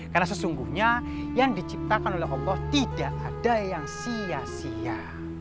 karena sesungguhnya yang diciptakan oleh allah tidak ada yang sia sia